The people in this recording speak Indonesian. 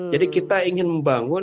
jadi kita ingin membangun